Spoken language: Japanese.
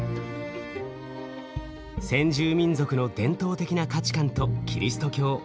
先住民族の伝統的な価値観とキリスト教。